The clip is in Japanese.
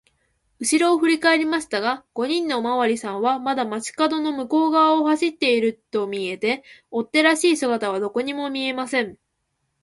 うしろをふりかえりましたが、五人のおまわりさんはまだ町かどの向こうがわを走っているとみえて、追っ手らしい姿はどこにも見えません。